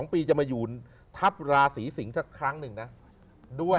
๒ปีจะมาอยู่ทับราศีสิงศ์สักครั้งหนึ่งนะด้วย